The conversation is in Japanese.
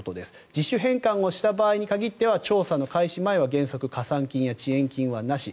自主返還をした場合に限っては調査の開始前は、原則として加算金、遅延金はなし。